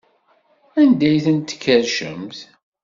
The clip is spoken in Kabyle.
Anda ay ten-tkerrcemt?